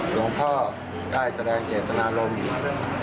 หลวงพ่อได้แสดงเจตนารมณ์